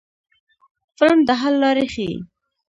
فلم د حل لارې ښيي